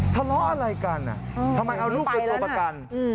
ทะเลาะอะไรกันทำไมเอาลูกเป็นตัวประกัน